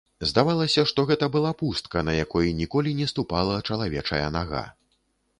Здавалася, што гэта была пустка, на якой ніколі не ступала чалавечая нага.